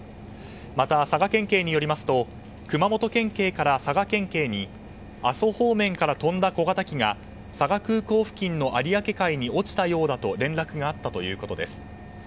また佐賀県警によりますと熊本県警から佐賀県警に阿蘇方面から飛んだ小型機が佐賀空港付近の有明海に落ちたようだと連絡があったということです。